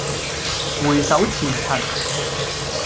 回首前塵